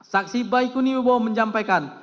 saksi baikuni wibowo menjampaikan